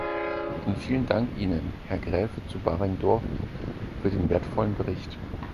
Und vielen Dank Ihnen, Herr Graefe zu Baringdorf, für den wertvollen Bericht.